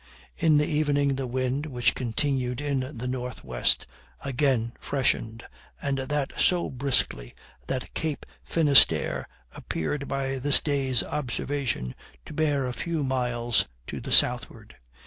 In the evening the wind, which continued in the N.W., again freshened, and that so briskly that Cape Finisterre appeared by this day's observation to bear a few miles to the southward.